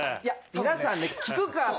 皆さんね。